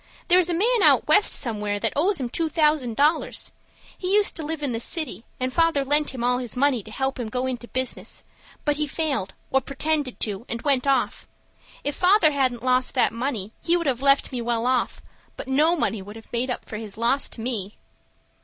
There's a man out West somewhere that owes him two thousand dollars. He used to live in the city, and father lent him all his money to help him go into business; but he failed, or pretended to, and went off. If father hadn't lost that money he would have left me well off; but no money would have made up his loss to me."